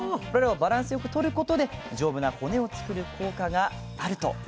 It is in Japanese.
これらをバランスよくとることで丈夫な骨を作る効果があると。